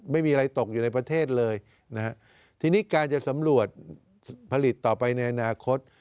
ไม่มีอะไรตกอยู่ในประเทศเลยนะฮะทีนี้การจะสำรวจผลิตต่อไปในอนาคต